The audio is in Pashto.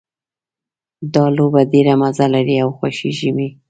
دا لوبه ډېره مزه لري او خوښیږي مې